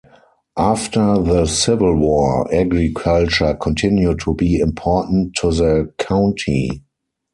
After the Civil War, agriculture continued to be important to the county.